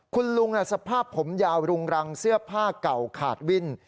คุณลุงสภาพผมยาวรุงรังเสื้อผ้าเก่าขาดวิ่น